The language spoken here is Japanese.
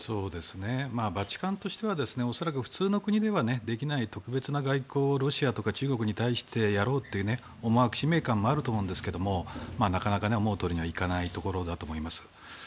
バチカンとしては恐らく普通の国ではできない特別な外交をロシアとか中国に対してやろうという思惑、使命感もあると思うんですがなかなか思うとおりにはいかないところだと思います。